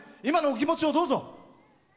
今のお気持ちをどうぞ。